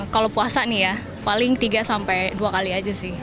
kalau puasa nih ya paling tiga sampai dua kali aja sih